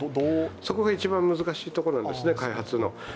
そこが一番難しいところなんですね、開発の。